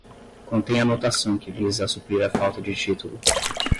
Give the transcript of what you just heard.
contêm anotação que visa a suprir a falta de título